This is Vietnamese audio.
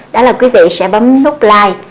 đó là quý vị sẽ bấm nút like